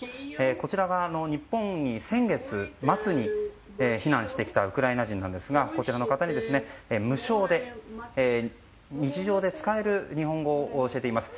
こちらは日本に先月末に避難してきたウクライナ人なんですがこちらの方に無償で日常で使える日本語を教えています。